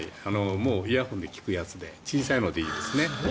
イヤホンで聞くやつで小さいのでいいですね。